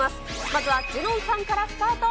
まずはジュノンさんからスタート。